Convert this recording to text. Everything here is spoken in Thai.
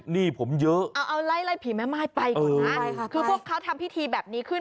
นี่ผมเยอะเอาเอาไล่ไล่ผีแม่ม่ายไปก่อนนะคือพวกเขาทำพิธีแบบนี้ขึ้น